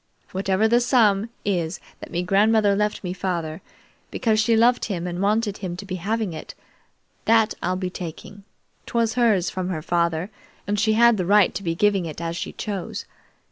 "Whatever the sum is that me grandmother left me father, because she loved him and wanted him to be having it, that I'll be taking. 'Twas hers from her father, and she had the right to be giving it as she chose.